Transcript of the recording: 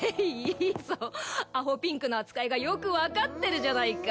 いいぞアホピンクの扱いがよく分かってるじゃないか